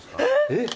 えっ！？